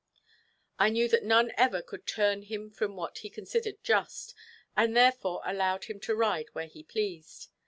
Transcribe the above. I knew that none ever could turn him from what he considered just, and therefore allowed him to ride where he pleased.